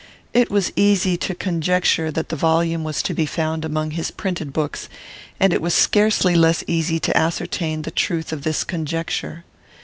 It was easy to conjecture that the volume was to be found among his printed books, and it was scarcely less easy to ascertain the truth of this conjecture.